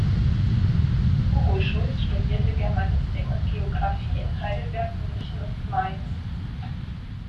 Hugo Schultz studierte Germanistik und Geografie in Heidelberg, München und Mainz.